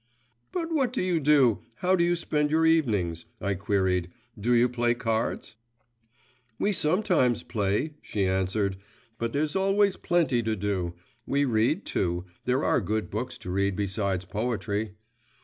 …' 'But what do you do, how do you spend your evenings?' I queried; 'do you play cards?' 'We sometimes play,' she answered; 'but there's always plenty to do. We read, too; there are good books to read besides poetry.